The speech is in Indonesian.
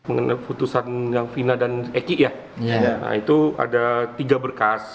mengenai keputusan vina dan eki ya itu ada tiga berkas